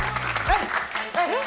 えっ？